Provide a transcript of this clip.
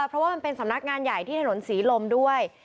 เพราะว่ามันเป็นสำนักงานใหญ่ที่ถนนศรีลมด้วย